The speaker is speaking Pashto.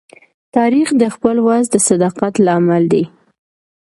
تاریخ د خپل ولس د صداقت لامل دی.